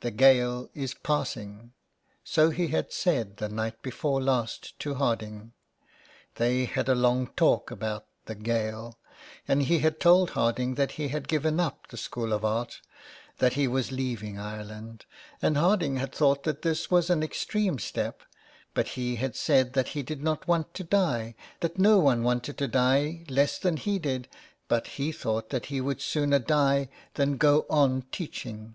The Gael is passing." So he had said the night before last to Harding ; they had a long talk about the Gael, and he had told Harding that he had given up the School of Art, that he was leaving Ireland, and Harding had thought that this was an extreme step, but he had said that he did not want to die, that no one wanted to die less than he did, but he thought he would sooner die than go on teaching.